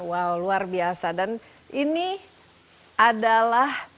wow luar biasa dan ini adalah